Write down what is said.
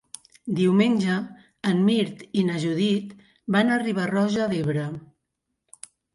Diumenge en Mirt i na Judit van a Riba-roja d'Ebre.